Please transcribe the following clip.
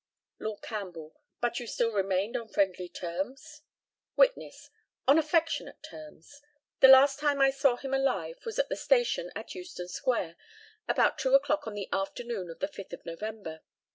Lord CAMPBELL: But you still remained on friendly terms? Witness: On affectionate terms. The last time I saw him alive was at the station at Euston square, about two o'clock on the afternoon of the 5th of November.